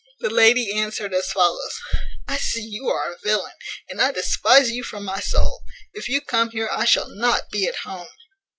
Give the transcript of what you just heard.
The lady answered as follows: "I see you are a villain! and I despise you from my soul. If you come here I shall not be at home."